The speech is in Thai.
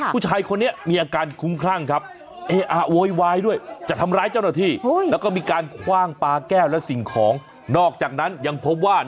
ผู้ชายคนนี้มีอาการคุ้มคร่างครับ